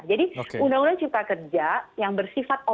jadi undang undang cipta kerja yang bersifat omong